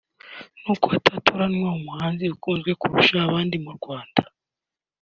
nuko hagatoranywa umuhanzi ukunzwe kurusha abandi mu Rwanda